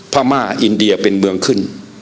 พม่าอินเดียเป็นเมืองขึ้น